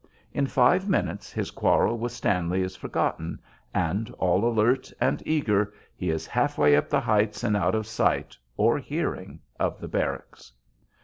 In five minutes his quarrel with Stanley is forgotten, and, all alert and eager, he is half way up the heights and out of sight or hearing of the barracks.